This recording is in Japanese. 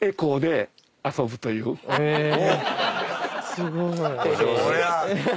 すごーい。